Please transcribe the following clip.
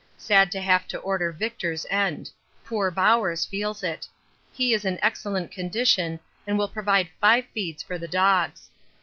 Sad to have to order Victor's end poor Bowers feels it. He is in excellent condition and will provide five feeds for the dogs.